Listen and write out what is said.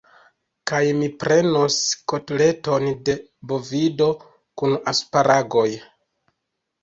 Kaj mi prenos kotleton de bovido kun asparagoj.